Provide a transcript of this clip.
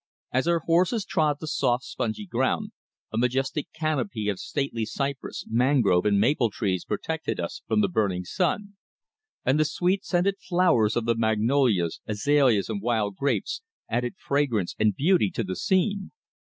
As our horses trod the soft, spongy ground, a majestic canopy of stately cypress, mangrove and maple trees protected us from the burning sun, and the sweet scented flowers of the magnolias, azaleas and wild grapes added fragrance and beauty to the scene.